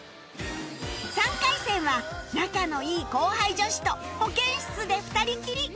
３回戦は仲のいい後輩女子と保健室で二人きり